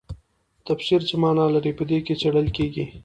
تفسیر څه مانا لري په دې کې څیړل کیږي.